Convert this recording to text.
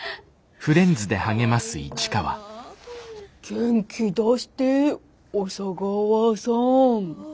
元気出して小佐川さん。